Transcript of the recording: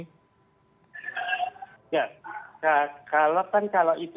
ya kalau kan kalau itu